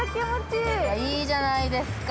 ◆いいじゃないですか。